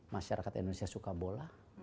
masyarakat indonesia suka bola